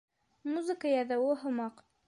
Музыка яҙыуы һымаҡ.